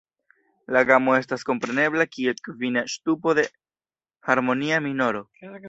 La gamo estas komprenebla kiel kvina ŝtupo de harmonia minoro.